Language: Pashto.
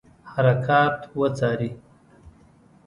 حرکات وڅاري.